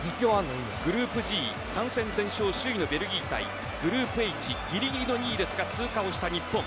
グループＧ３戦全勝首位のベルギー対グループＨギリギリの２位ですが通過をした日本。